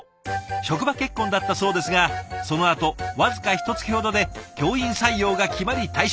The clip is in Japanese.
職場結婚だったそうですがそのあと僅かひとつきほどで教員採用が決まり退職。